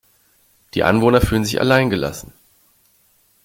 Die Anwohner fühlen sich allein gelassen.